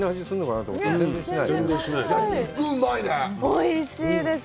おいしいです。